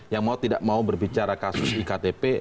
yang mau tidak mau berbicara kasus iktp